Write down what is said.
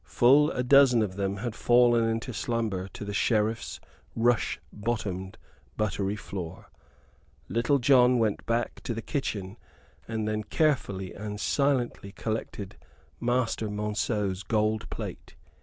Full a dozen of them had fallen into slumber to the Sheriffs rush bottomed buttery floor. Little John went back to the kitchen and there carefully and silently collected Master Monceux's gold plate.